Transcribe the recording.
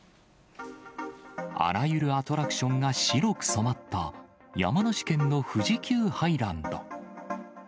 あらゆるアトラクションが白く染まった、山梨県の富士急ハイランド。